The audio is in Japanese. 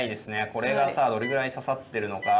これが、さあどれぐらい指さってるのか。